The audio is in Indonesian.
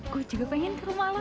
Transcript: gue juga pengen ke rumah lo